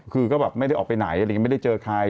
คือก็แบบไม่ได้ออกไปไหนไม่ได้เจอใคร